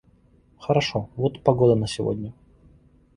Хорошо, вот погода на сегодня